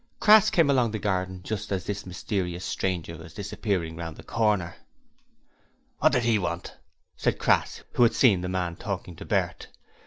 Crass came along the garden just as the mysterious stranger was disappearing round the corner. 'What did HE want?' said Crass, who had seen the man talking to Bert.